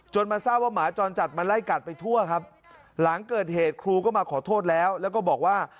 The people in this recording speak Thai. มาทราบว่าหมาจรจัดมันไล่กัดไปทั่วครับหลังเกิดเหตุครูก็มาขอโทษแล้วแล้วก็บอกว่า